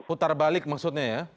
putar balik maksudnya ya